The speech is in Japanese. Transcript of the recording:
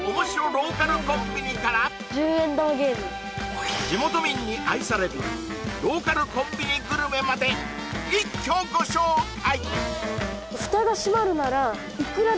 ローカルコンビニから１０円玉ゲーム地元民に愛されるローカルコンビニグルメまで一挙ご紹介！